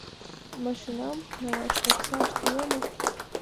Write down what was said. — Машинам налаш оксашт уло мо?